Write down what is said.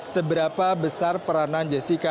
seberapa besar peranan jessica